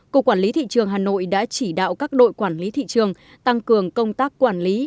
cục quản lý thị trường hà nội đã chỉ đạo các đội quản lý thị trường tăng cường công tác quản lý